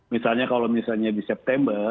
misalnya kalau misalnya di september